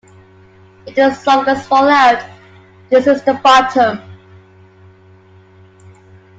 If the Zonkers fall out, this is the bottom.